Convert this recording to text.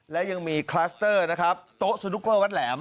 และยังมีคลัสเตอร์นะครับโต๊ะสนุกเกอร์วัดแหลม